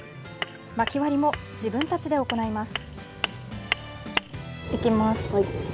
まき割りも自分たちで行います。